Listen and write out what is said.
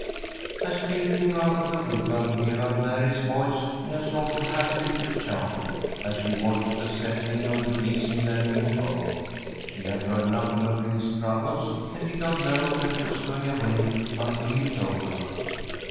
As Phil came out of the Wigwam he heard Mary's voice, in a sort of happy little chant, as she watched the settling of the bees in their new home. She had heard nothing of Phil's troubles, and did not know that he was going away until he told her.